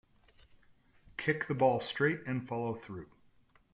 Kick the ball straight and follow through.